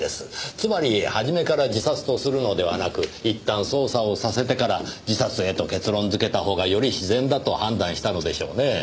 つまり初めから自殺とするのではなくいったん捜査をさせてから自殺へと結論づけたほうがより自然だと判断したのでしょうねぇ。